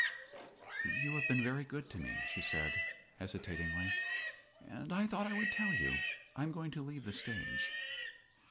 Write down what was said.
"You have been very good to me," she said, hesitatingly, "and I thought I would tell you. I am going to leave the stage."